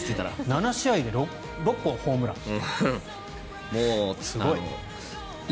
７試合で６本ホームランすごい。